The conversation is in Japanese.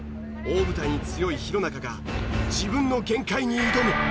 大舞台に強い弘中が自分の限界に挑む！